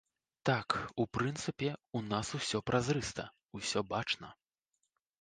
Так, у прынцыпе, у нас усё празрыста, усё бачна.